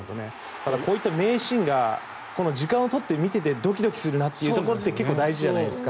ただ、こういった名シーンが時間を取っていてドキドキするなというところって結構、大事じゃないですか。